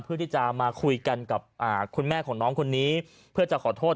เพื่อที่จะมาคุยกันกับคุณแม่ของน้องคนนี้เพื่อจะขอโทษ